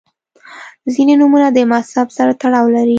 • ځینې نومونه د مذهب سره تړاو لري.